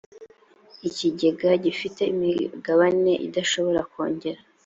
ikigega gifite imigabane idashobora kongera